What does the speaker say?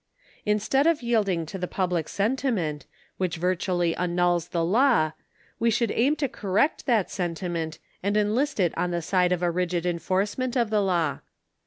Instead of yielding to the public sentiment, which virtually annuls the law, we should aim to correct that sentiment and enlist it on the side of a rigid enforcement of the law.